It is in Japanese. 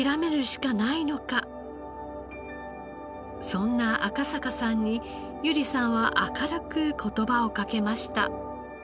そんな赤坂さんに由里さんは明るく言葉をかけました。